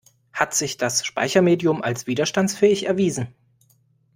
Hat sich das Speichermedium als widerstandsfähig erwiesen?